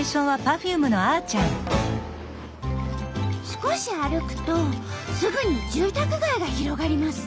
少し歩くとすぐに住宅街が広がります。